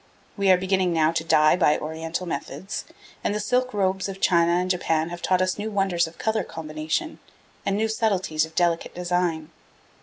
We are beginning now to dye by Oriental methods, and the silk robes of China and Japan have taught us new wonders of colour combination, and new subtleties of delicate design.